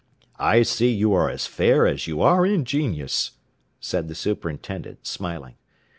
"I see you are as fair as you are ingenious," said the superintendent, smiling.